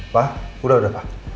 pak udah udah pak